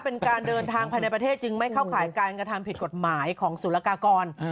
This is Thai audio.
เป็นการเดินทางภายในประเทศจึงไม่เข้าข่ายการกระทำผิดกฎหมายของสุรกากร